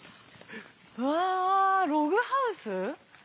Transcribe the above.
わあ、ログハウス？